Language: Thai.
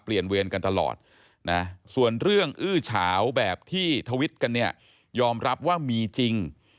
เวรกันตลอดนะส่วนเรื่องอื้อเฉาแบบที่ทวิตกันเนี่ยยอมรับว่ามีจริง